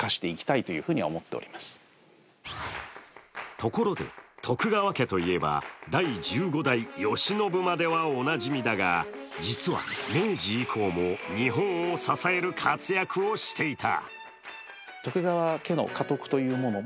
ところで徳川家といえば第１５代・慶喜まではおなじみだが、実は、明治以降も日本を支える活躍をしていた。